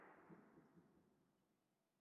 克鲁泡特金站是莫斯科地铁的一个车站。